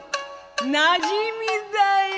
「なじみだよ」。